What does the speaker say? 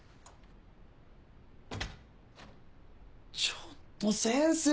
ちょっと先生！